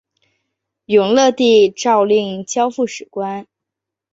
永乐帝诏令交付史官。